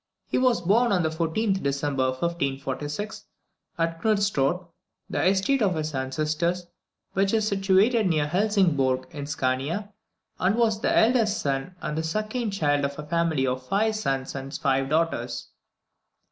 He was born on the 14th December 1546, at Knudstorp, the estate of his ancestors, which is situated near Helsingborg, in Scania, and was the eldest son and the second child of a family of five sons and five daughters.